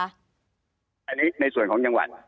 อันนี้ในส่วนของจังหวัด